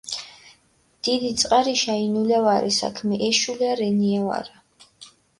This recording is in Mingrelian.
დიდი წყარიშა ინულა ვარე საქმე ეშულა რენია ვარა